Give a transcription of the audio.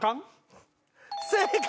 正解！